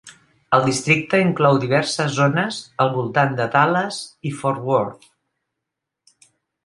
El districte inclou diverses zones al voltant de Dallas i Fort Worth.